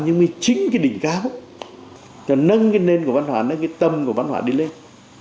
nhưng mới chính cái đỉnh cao là nâng cái nền của văn hóa cái tâm của văn hóa đi lên